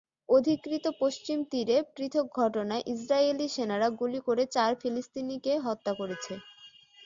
অধিকৃত পশ্চিম তীরে পৃথক ঘটনায় ইসরায়েলি সেনারা গুলি করে চার ফিলিস্তিনিকে হত্যা করেছে।